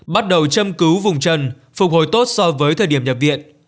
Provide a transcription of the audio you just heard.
bắt đầu châm cứu vùng trần phục hồi tốt so với thời điểm nhập viện